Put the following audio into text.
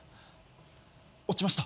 落ちました？